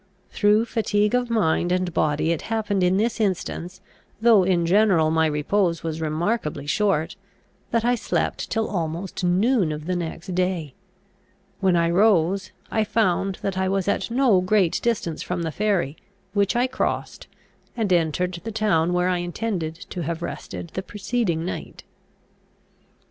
Through fatigue of mind and body, it happened in this instance, though in general my repose was remarkably short, that I slept till almost noon of the next day. When I rose, I found that I was at no great distance from the ferry, which I crossed, and entered the town where I intended to have rested the preceding night.